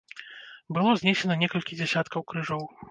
Было знесена некалькі дзясяткаў крыжоў.